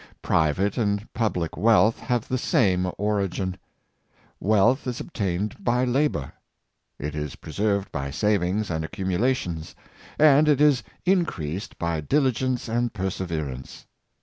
Private and public wealth have the same origin. Wealth is obtained by labor; it is preserved by savings and accumulations; and it is increased by diligence and perseverance.